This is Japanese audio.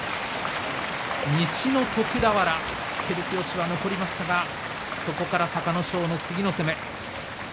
西の徳俵照強が残りましたがそこから隆の勝の次の攻め。